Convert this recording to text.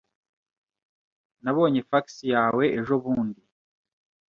Nabonye fax yawe ejobundi.